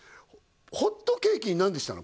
ホットケーキに何でしたの？